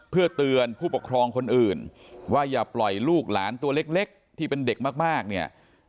เพื่อเตือนผู้ปกครองคนอื่นว่าอย่าปล่อยลูกหลานตัวเล็กที่เป็นเด็กมากเนี่ย